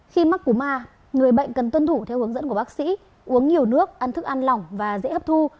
khi mắc cú ma người bệnh cần tuân thủ theo hướng dẫn của bác sĩ uống nhiều nước ăn thức ăn lỏng và dễ hấp thu